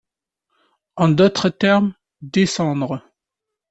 En d’autres termes, descendre.